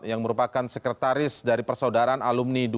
yang merupakan sekretaris dari persaudaraan alumni dua ratus dua